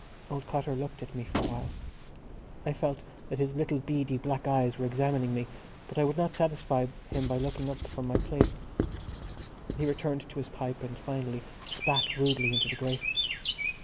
Old Cotter looked at me for a while. I felt that his little beady black eyes were examining me but I would not satisfy him by looking up from my plate. He returned to his pipe and finally spat rudely into the grate.